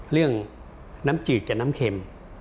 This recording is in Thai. เรื่องน้ำจืดกับน้ำเข็ม